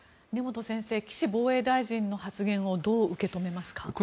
根本先生岸防衛大臣の発言をどう受け止めますか？